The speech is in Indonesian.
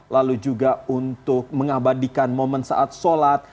lalu juga untuk mengabadikan momen saat sholat